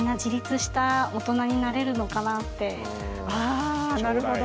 あなるほど。